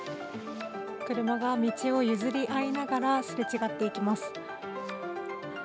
車が道を譲り合いながらすれ違っていきます。